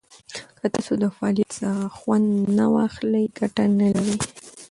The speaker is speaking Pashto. که تاسو د فعالیت څخه خوند نه واخلئ، ګټه نه لري.